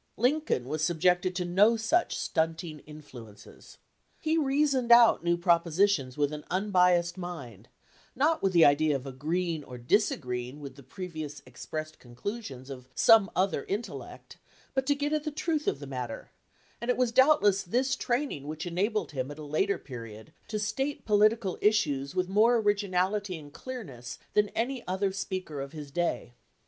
Lincoln was subjected to no such stunting influences. He reasoned out new propositions with an unbiased mind, not with the idea of agreeing or disagreeing with the previously expressed conclusions of some other intellect, but to get at the truth of the matter; and it was doubtless this training which enabled him at a 77 LINCOLN THE LAWYER later period to state political issues with more originality and clearness than any other speaker of his day.